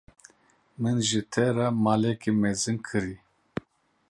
Min ji te re maleke mezin kirî.